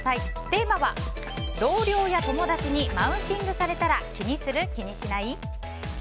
テーマは、同僚や友達にマウンティングされたら気にする？